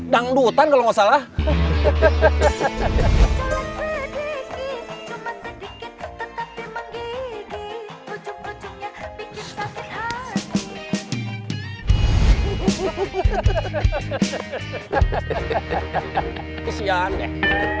dangdutan kalau nggak salah